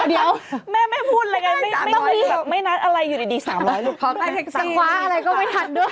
ไม่ดี๓๐๐ลูกค้าสะขวาอะไรก็ไม่ถัดด้วย